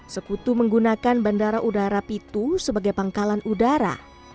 sekutu menggunakan bandara udara pitu sebagai pangkalan udara